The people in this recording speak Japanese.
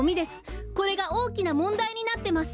これがおおきなもんだいになってます。